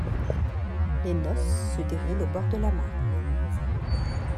Les noces se déroulent au bord de la Marne.